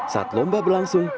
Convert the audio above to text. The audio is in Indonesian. saat lomba berlangsung